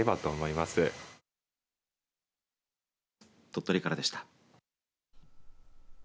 鳥取からでした。